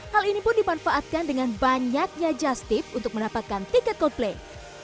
hal ini pun dimanfaatkan dengan banyaknya just tip untuk mendapatkan tiket coldplay